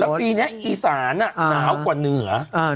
แล้วปีนี้อีสานหนาวกว่าเหนือ